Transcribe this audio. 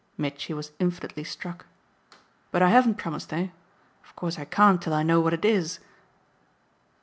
Mitchy was infinitely struck. "But I haven't promised, eh? Of course I can't till I know what it is."